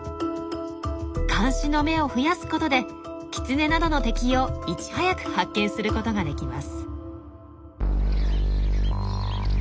監視の目を増やすことでキツネなどの敵をいち早く発見することができます。